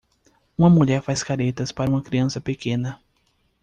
Uma mulher faz caretas para uma criança pequena.